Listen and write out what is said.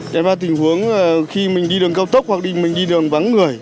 đèn pha tình huống khi mình đi đường cao tốc hoặc mình đi đường vắng người